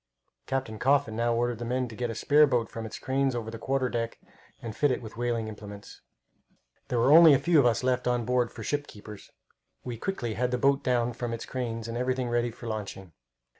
Captain Coffin now ordered the men to get a spare boat from its cranes over the quarter deck and fit it with whaling implements. There were only a few of us left on board for ship keepers. We quickly had the boat down from its cranes, and everything ready for launching.